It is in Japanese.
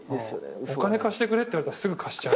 お金貸してくれって言われたらすぐ貸しちゃう。